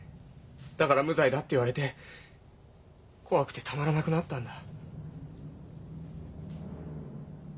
だから無罪だって言われて怖くてたまらなくなったんだ。